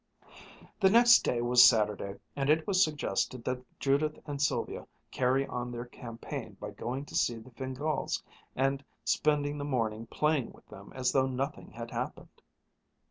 The next day was Saturday, and it was suggested that Judith and Sylvia carry on their campaign by going to see the Fingáls and spending the morning playing with them as though nothing had happened.